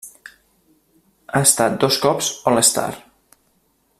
Ha estat dos cops All-Star.